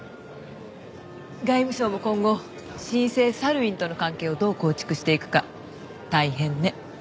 外務省も今後新生サルウィンとの関係をどう構築していくか大変ね。